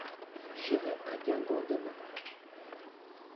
j'irai à Guingamp demain.